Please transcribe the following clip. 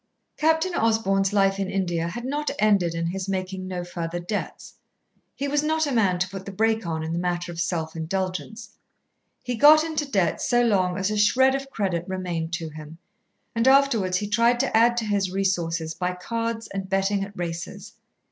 Captain Osborn's life in India had not ended in his making no further debts. He was not a man to put the brake on in the matter of self indulgence. He got into debt so long as a shred of credit remained to him, and afterwards he tried to add to his resources by cards and betting at races.